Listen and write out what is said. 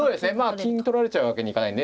金取られちゃうわけにいかないんで。